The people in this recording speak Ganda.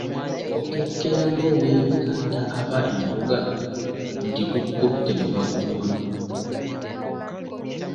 Okekkera ng’oweebikaata ava embuga nti, tukutte mu gabuguma.